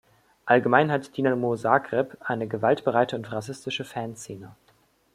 Allgemein hat Dinamo Zagreb eine gewaltbereite und rassistische Fanszene.